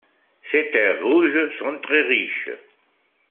Ses terres rouges sont très riches.